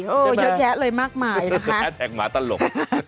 เเยอะแยะเลยมากมายต้าหมาตลก